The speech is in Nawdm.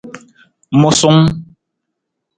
Musung.